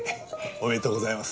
おめでとうございます。